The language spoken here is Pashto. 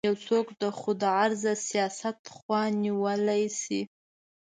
یو څوک د خودغرضه سیاست خوا نیولی شي.